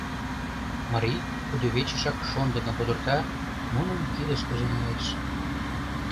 Марий кудывечешак шондыкым пудырта, муным кидышкыже налеш.